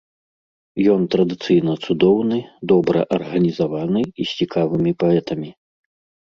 Ён традыцыйна цудоўны, добра арганізаваны і з цікавымі паэтамі.